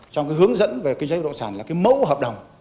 trong hướng dẫn về kinh doanh đội sản là mẫu hợp đồng